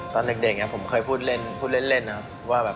ตอนเด็กผมเคยพูดเล่นว่าแบบ